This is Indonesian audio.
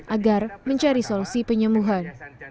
agar mencari solusi penyemuhan